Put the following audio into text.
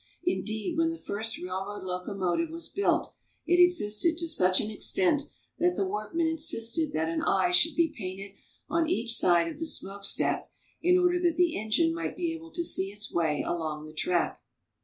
Indeed, when the first railroad locomotive was built, it existed to such an extent that the workmen insisted that an eye should be painted on each side of the smoke stack in order that the engine might be able to see its way along the track.